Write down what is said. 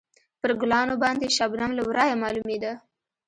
پر ګلانو باندې شبنم له ورایه معلومېده.